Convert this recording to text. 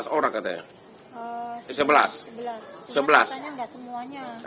cuman katanya gak semuanya